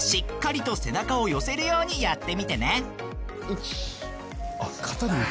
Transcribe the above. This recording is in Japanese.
１。